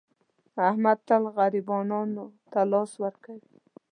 احمد تل غریبانو ته لاس ور کوي.